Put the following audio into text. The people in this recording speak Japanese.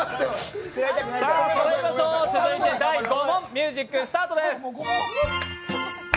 続いて第５問、ミュージックスタートです。